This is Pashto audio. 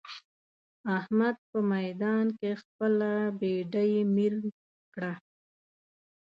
احمد په ميدان کې خپله بېډۍ مير کړه.